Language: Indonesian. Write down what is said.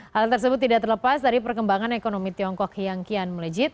hal tersebut tidak terlepas dari perkembangan ekonomi tiongkok yang kian melejit